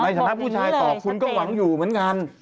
ชนะผู้ชายต่อคุณก็หวังอยู่เหมือนกัน